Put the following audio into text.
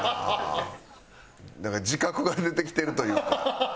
なんか自覚が出てきてるというか。